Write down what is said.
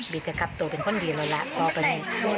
บี๊ดจะขับโตเป็นคนดีแล้วละพอประโยชน์นี้